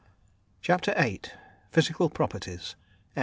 CHAPTER VIII. PHYSICAL PROPERTIES.